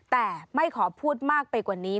แต่ไม่ขอพูดมากไปกว่านี้